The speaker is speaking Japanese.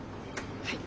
はい。